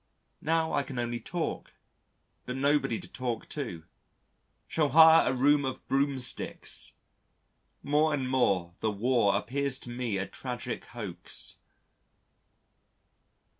Now I can only talk, but nobody to talk to. Shall hire a row of broomsticks. More and more, the War appears to me a tragic hoax.